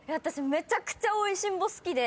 めちゃくちゃ『美味しんぼ』好きで。